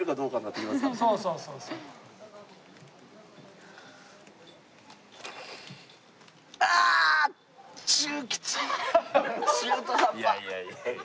いやいやいやいや。